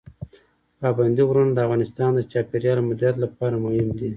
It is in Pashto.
پابندي غرونه د افغانستان د چاپیریال مدیریت لپاره مهم دي.